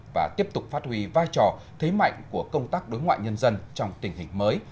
và tiếp tục phát huy vai trò thế mạnh của công tác đối ngoại nhân dân trong tình hình mới